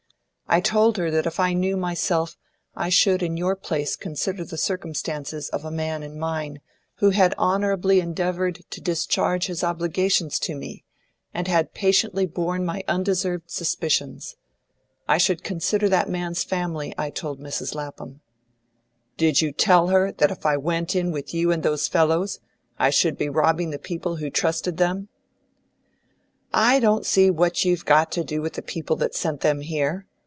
I told her that if I knew myself, I should in your place consider the circumstances of a man in mine, who had honourably endeavoured to discharge his obligations to me, and had patiently borne my undeserved suspicions. I should consider that man's family, I told Mrs. Lapham." "Did you tell her that if I went in with you and those fellows, I should be robbing the people who trusted them?" "I don't see what you've got to do with the people that sent them here.